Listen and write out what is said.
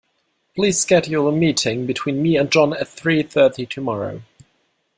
Please schedule a meeting between me and John at three thirty tomorrow.